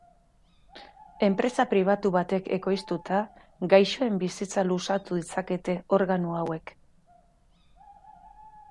Enpresa pribatu batek ekoiztuta, gaixoen bizitza luzatu ditzakete organo hauek.